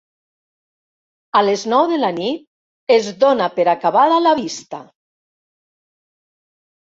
A les nou de la nit es dóna per acabada la vista.